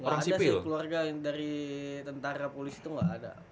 nggak ada sih keluarga dari tentara polis itu nggak ada